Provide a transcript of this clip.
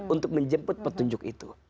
untuk menjemput petunjuk itu